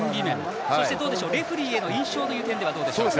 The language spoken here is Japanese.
レフリーへの印象という点ではどうですか？